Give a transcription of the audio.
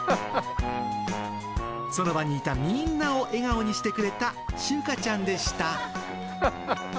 その場にいたみんなを笑顔にしてくれたしゅうかちゃんでした。